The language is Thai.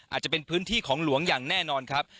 อาจจะเป็นพื้นที่ของหลวงอย่างแน่นอนครับ